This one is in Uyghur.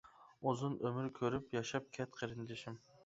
ئۇزۇن ئۆمۈر كۆرۈپ ياشاپ كەت قېرىندىشىم!